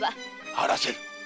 晴らせる！